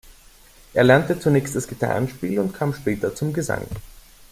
Er lernte zunächst das Gitarrenspiel und kam später zum Gesang.